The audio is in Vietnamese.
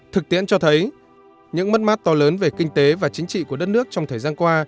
thực tiễn cho thấy những mất mát to lớn về kinh tế và chính trị của đất nước trong thời gian qua